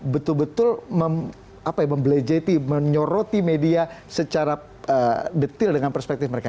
betul betul membelejeti menyoroti media secara detail dengan perspektif mereka